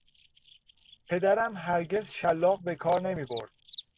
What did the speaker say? پدرم هرگز شلاق بهکار نمیبرد.